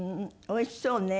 おいしそうね。